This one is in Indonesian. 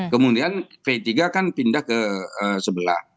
kemudian p tiga kan pindah ke sebelah